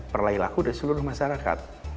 perilaku dari seluruh masyarakat